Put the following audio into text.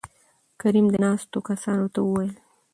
کريم : ناستو کسانو ته وويل